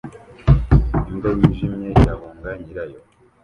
Imbwa yijimye irahunga nyirayo